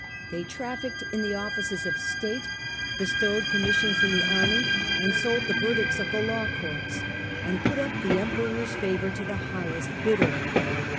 They traffic of the trafficked in the offices of state, bestowed frecdmen, commissions in the army, sold the verdicts of the law courts, and put up the Emperor^s favour to the highest bidder.